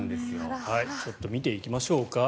ちょっと見ていきましょうか。